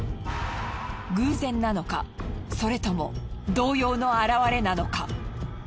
偶然なのかそれとも動揺の表れなのか？